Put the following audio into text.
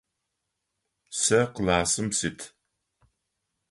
Сэ классым сит.